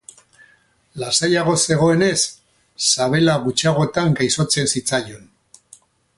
Lasaiago zegoenez, sabela gutxiagotan gaixotzen zitzaion.